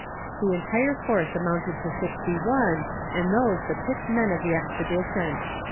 The entire force amounted to sixty one, and those the picked men of the expedition.